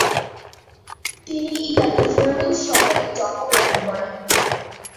তিনি Italy Florence শহরে জন্ম গ্রহণ করেন।